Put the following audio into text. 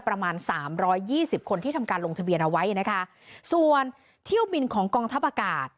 ประมาณสามร้อยยี่สิบคนที่ทำการลงทะเบียนเอาไว้นะคะส่วนเที่ยวบินของกองทัพอากาศ